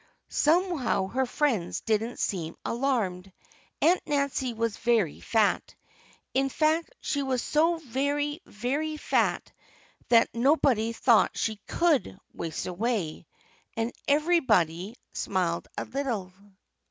Somehow her friends didn't seem alarmed. Aunt Nancy was very fat. In fact she was so very, very fat that nobody thought she could waste away. And everybody smiled a little.